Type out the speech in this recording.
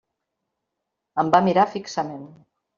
Em va mirar fixament.